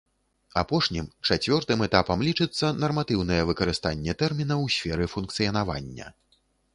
Апошнім, чацвёртым этапам лічыцца нарматыўнае выкарыстанне тэрміна ў сферы функцыянавання.